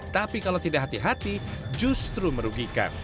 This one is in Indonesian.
tapi kalau tidak hati hati justru merugikan